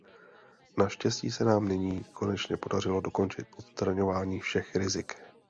Naštěstí se nám nyní konečně podařilo dokončit odstraňování všech rizik.